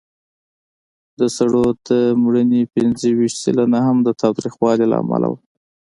د سړو د مړینې پینځهویشت سلنه هم د تاوتریخوالي له امله وه.